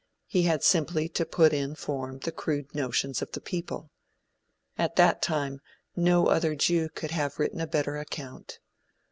He had simply to put in form the crude notions of the people. At that time, no other Jew could have written a better account.